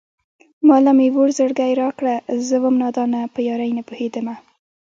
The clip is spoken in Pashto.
ما له مې وړی زړگی راکړه زه وم نادانه په يارۍ نه پوهېدمه